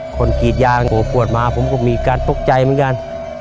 กรีดยางโง่ปวดมาผมก็มีการตกใจเหมือนกัน